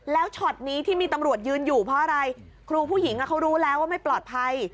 แล้วช็อตนี้ที่มีตำรวจยืนอยู่เพราะอะไรครูผู้หญิงเขารู้แล้วว่าไม่ปลอดภัย